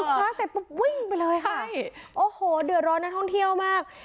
คว้าเสร็จปุ๊บวิ่งไปเลยค่ะใช่โอ้โหเดือดร้อนนักท่องเที่ยวมาก